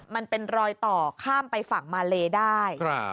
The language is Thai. มันเป็นรอยต่อข้ามไปฝั่งมาเลได้